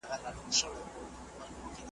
د ژوند حق په اړه خلګو ته معلومات ورکړئ.